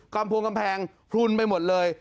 กล่ำพลวงกำแพงพลุนไปหมดเลย